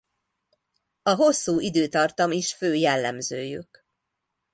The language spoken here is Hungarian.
A hosszú időtartam is fő jellemzőjük.